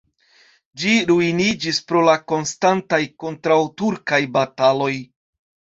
Ĝi ruiniĝis pro la konstantaj kontraŭturkaj bataloj.